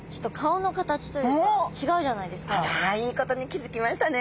あらいいことに気付きましたね。